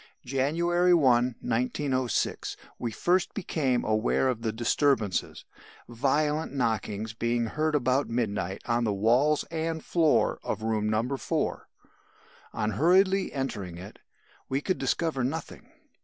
"January 1, 1906, we first became aware of the disturbances violent knockings being heard about midnight on the walls and floor of room No. 4. On hurriedly entering it, we could discover nothing.